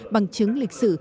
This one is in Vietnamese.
bằng chứng lịch sử